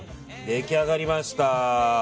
出来上がりました。